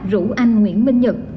rủ anh nguyễn minh nhật